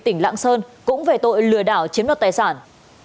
tỉnh lạng sơn cũng về tội lừa đảo chiếm đoạt tài sản